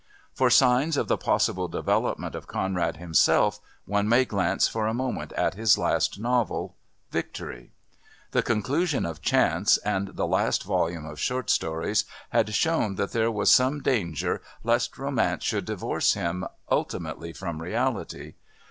For signs of the possible development of Conrad himself one may glance for a moment at his last novel, Victory. The conclusion of Chance and the last volume of short stories had shown that there was some danger lest romance should divorce him, ultimately, from reality.